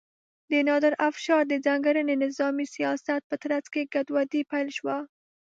د نادر افشار د ځانګړي نظامي سیاست په ترڅ کې ګډوډي پیل شوه.